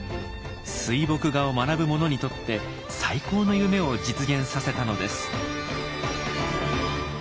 水墨画を学ぶ者にとって最高の夢を実現させたのです。